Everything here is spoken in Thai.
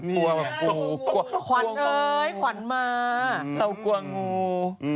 นี่แหละควันเอ้ยควันมาเรากลัวงู